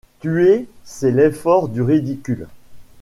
Tuer, c’est l’effort du ridicule.